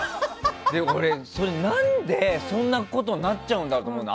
俺、何でそんなことになっちゃうんだと思うの。